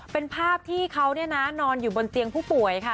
เป็นภาพที่เขานอนอยู่บนเตียงผู้ป่วยค่ะ